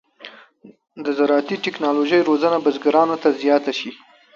د زراعتي تکنالوژۍ روزنه بزګرانو ته زیاته شي.